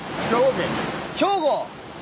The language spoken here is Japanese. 兵庫！